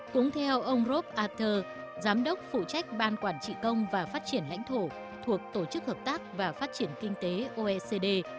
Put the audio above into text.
cũng theo ông rob ater giám đốc phụ trách ban quản trị công và phát triển lãnh thổ thuộc tổ chức hợp tác và phát triển kinh tế oecd